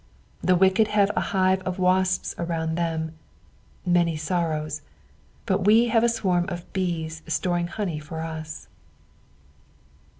The wicked have a hive of wasps around them, manytorroKt; but wo have a swarm of bees storing honey for us.